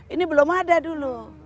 ini belum ada dulu